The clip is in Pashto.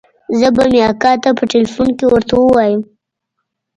زه به مې اکا ته په ټېلفون کښې ورته ووايم.